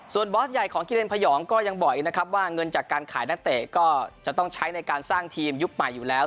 ส่วนบอสใหญ่ของกิเรนพยองก็ยังบอกอีกนะครับว่าเงินจากการขายนักเตะก็จะต้องใช้ในการสร้างทีมยุคใหม่อยู่แล้ว